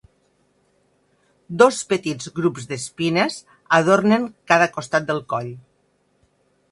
Dos petits grups d'espines adornen cada costat del coll.